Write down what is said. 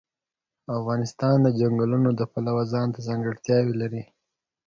افغانستان د چنګلونه د پلوه ځانته ځانګړتیا لري.